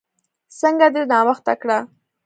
څنګه دې ناوخته کړه؟